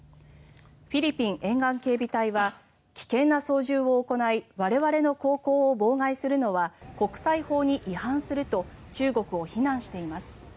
フィリピン沿岸警備隊は危険な操縦を行い我々の航行を妨害するのは国際法に違反すると中国を非難しています。